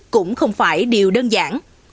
cũng không phải điều đơn giản